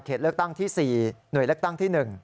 เลือกตั้งที่๔หน่วยเลือกตั้งที่๑